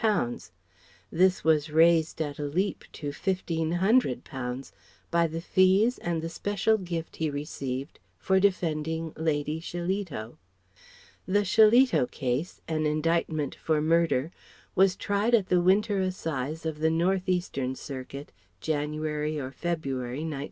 This was raised at a leap to £1,500 by the fees and the special gift he received for defending Lady Shillito. The "Shillito Case," an indictment for murder, was tried at the winter assize of the North eastern Circuit, January or February, 1909.